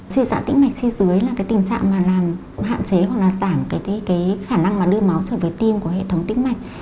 suy giãn tĩnh mạch chi dưới là tình trạng làm hạn chế hoặc giảm khả năng đưa máu trở về tim của hệ thống tĩnh mạch